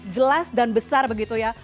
jelas dan besar begitu ya